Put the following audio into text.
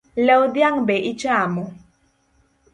Lew dhiang’ be ichamo?